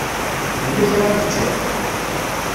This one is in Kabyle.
Yella kra i yečča?